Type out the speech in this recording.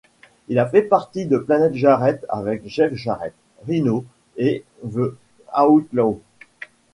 Il a fait partie de Planet Jarrett avec Jeff Jarrett, Rhyno et The Outlaw.